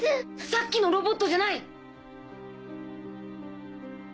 さっきのロボットじゃない！